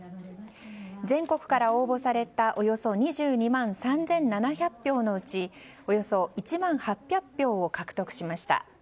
全国から応募されたおよそ２２万３７００票のうちおよそ１万８０００票を獲得しました。